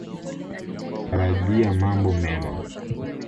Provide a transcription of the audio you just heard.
Tarajia mambo mema.